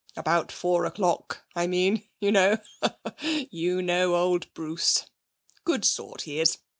About four o'clock, I mean, you know! You know old Bruce! Good sort he is.